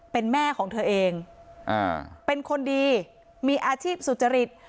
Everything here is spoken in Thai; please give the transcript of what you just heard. เป็นแม่ของเธอเองเป็นคนดีมีอาชีพสุจริต